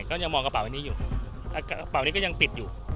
ก็ยังมองกระเป๋าอันนี้อยู่กระเป๋านี้ก็ยังปิดอยู่